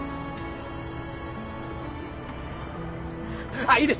あっいいです。